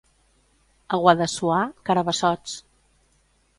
A Guadassuar, carabassots.